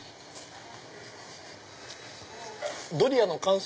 ドリアの完成！